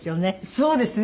そうですね。